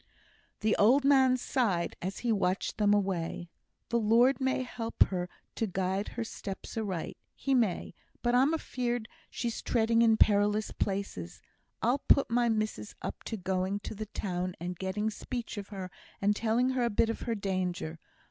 The old man sighed as he watched them away. "The Lord may help her to guide her steps aright. He may. But I'm afeard she's treading in perilous places. I'll put my missis up to going to the town and getting speech of her, and telling her a bit of her danger.